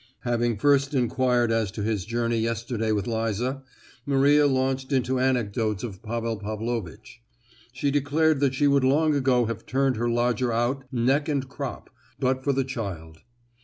Having first enquired as to his journey yesterday with Liza, Maria launched into anecdotes of Pavel Pavlovitch. She declared that she would long ago have turned her lodger out neck and crop, but for the child.